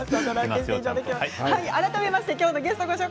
改めまして今日のゲストです。